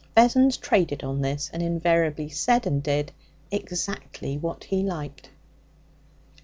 Vessons traded on this, and invariably said and did exactly what he liked.